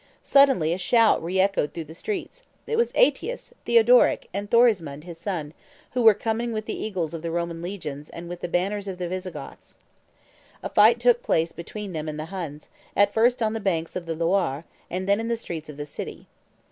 Suddenly a shout re echoed through the streets: it was Aetius, Theodoric, and Thorismund, his son, who were coming with the eagles of the Roman legions and with the banners of the Visigoths. A fight took place between them and the Huns, at first on the banks of the Loire, and then in the streets of the city.